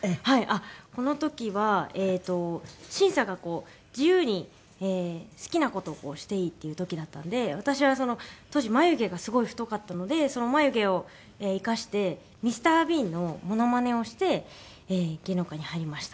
この時はえっと審査が自由に好きな事をしていいっていう時だったので私は当時眉毛がすごい太かったのでその眉毛を生かしてＭｒ．ビーンのものまねをして芸能界に入りました。